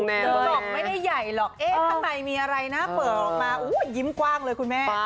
ดอกไม่ได้ใหญ่หรอกข้างในมีอะไรนะเปิดออกมายิ้มกว้างเลยคุณแม่